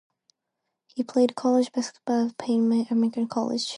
He played college basketball at Pan American College.